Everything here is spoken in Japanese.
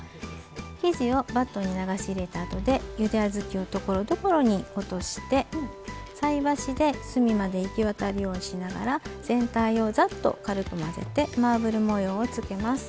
生地をバットに流し入れたあとでゆで小豆をところどころに落として菜箸で隅まで行き渡るようにしながら全体をざっと軽く混ぜてマーブル模様をつけます。